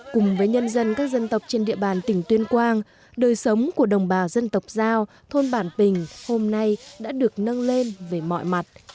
cùng với nhân dân các dân tộc trên địa bàn tỉnh tuyên quang đời sống của đồng bào dân tộc giao thôn bản bình hôm nay đã được nâng lên về mọi mặt